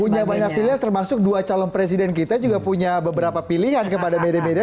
punya banyak pilihan termasuk dua calon presiden kita juga punya beberapa pilihan kepada media media